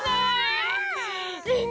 みんな！